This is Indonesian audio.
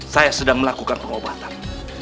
saya sedang melakukan pengobatan